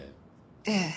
ええ。